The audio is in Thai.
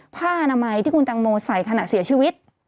ผ้าอนามัยที่คุณตังโมใส่ขณะเสียชีวิต